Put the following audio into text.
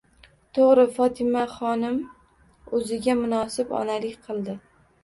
To'g'ri, Fotimaxonim o'ziga munosib onalik qildi